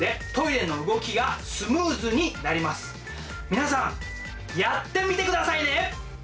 皆さんやってみて下さいね！